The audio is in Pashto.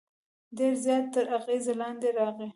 ډېر زیات تر اغېز لاندې راغی.